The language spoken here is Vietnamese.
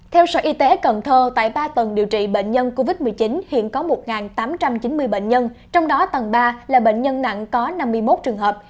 theo sở y tế cần thơ tại ba tuần điều trị bệnh nhân covid một mươi chín hiện có một tám trăm chín mươi bệnh nhân trong đó tầng ba là bệnh nhân nặng có năm mươi một trường hợp